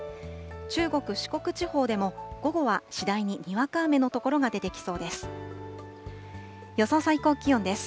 中国、四国地方でも、午後は次第ににわか雨の所が出てきそうです。